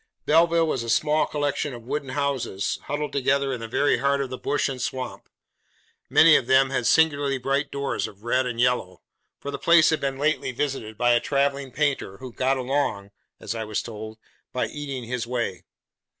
Belleville was a small collection of wooden houses, huddled together in the very heart of the bush and swamp. Many of them had singularly bright doors of red and yellow; for the place had been lately visited by a travelling painter, 'who got along,' as I was told, 'by eating his way.